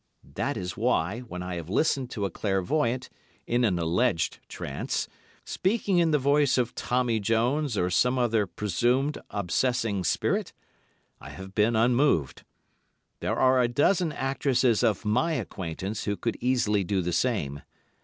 That is why, when I have listened to a clairvoyant, in an alleged trance, speaking in the voice of Tommy Jones or some other presumed obsessing spirit, I have been unmoved. There are a dozen actresses of my acquaintance who could easily do the same.